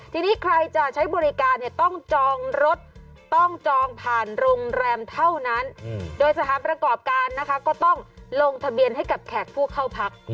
ทีนี้ใครจะใช้บริการเนี่ยต้องจองรถต้องจองผ่านโรงแรมเท่านั้นโดยสถานประกอบการนะคะก็ต้องลงทะเบียนให้กับแขกผู้เข้าพัก